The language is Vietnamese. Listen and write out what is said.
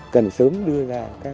cần sớm đưa ra các